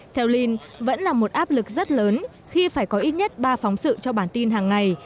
theo linh vẫn là một áp lực rất lớn khi phải có ít nhất ba phóng sự cho bản tin hàng ngày